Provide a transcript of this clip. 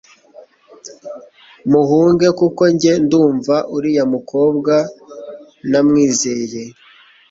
muhunge kuko njye ndumva uriya mukobwa ntamwizeye